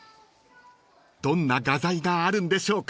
［どんな画材があるんでしょうか］